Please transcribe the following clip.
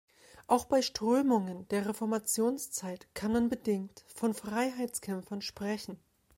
Auch bei Strömungen der Reformationszeit kann man bedingt von Freiheitskämpfern sprechen.